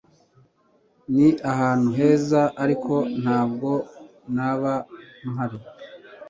Ni ahantu heza, ariko ntabwo naba mpari.